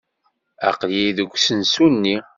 Aql-iyi deg usensu-nni.